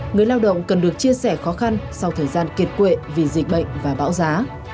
người lao động cần được chia sẻ khó khăn sau thời gian kiệt quệ vì dịch bệnh và bão giá